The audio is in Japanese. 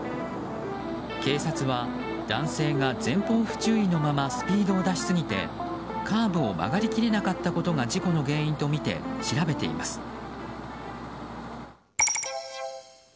警察は、男性が前方不注意のままスピードを出しすぎてカーブを曲がり切れなかったことが事故の原因とみて調べています。